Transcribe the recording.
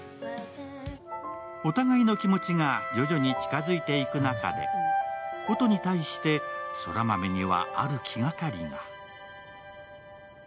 お互いの気持ちが徐々に近づいていく中で音に対して空豆にはある気がかりが。